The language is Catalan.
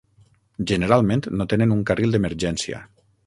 Generalment, no tenen un carril d'emergència.